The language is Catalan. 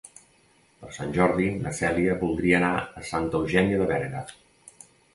Per Sant Jordi na Cèlia voldria anar a Santa Eugènia de Berga.